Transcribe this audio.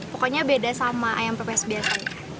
pokoknya beda sama ayam pepes biasanya